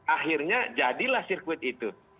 akhirnya jadilah sirkuit itu